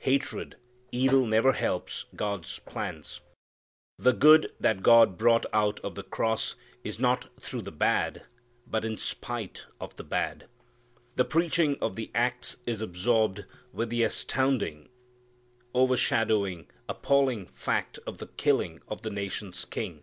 Hatred, evil never helps God's plans. The good that God brought out of the cross is not through the bad, but in spite of the bad. The preaching of the Acts is absorbed with the astounding, overshadowing, appalling fact of the killing of the nation's King.